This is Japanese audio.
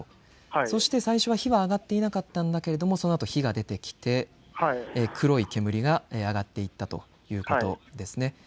そして最初は火が上がっていなかったんだけれどもそのあと火が出てきて黒い煙が上がっていったということですね。